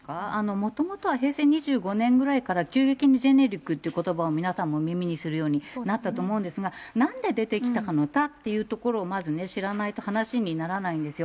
もともとは平成２５年ぐらいから急激にジェネリックということばを皆さんも耳にするようになったと思うんですが、なんで出てきたのかというところをまず知らないと話にならないんですよ。